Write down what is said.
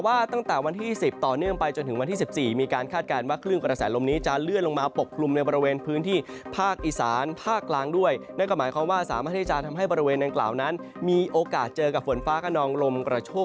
ประเทศประเทศประเทศประเทศประเทศประเทศประเทศประเทศประเทศประเทศประเทศประเทศประเทศประเทศประเทศประเทศประเทศประเทศประเทศประเทศประเทศ